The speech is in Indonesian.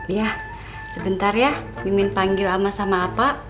iya sebentar ya mimin panggil ama sama apa